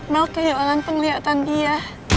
mel kehilangan penglihatan dia